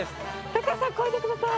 高橋さんこいで下さい。